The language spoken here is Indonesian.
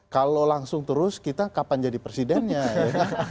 kalau langsung terus kita kapan jadi presidennya ya